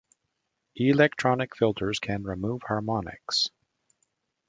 Electronic filters can remove harmonics.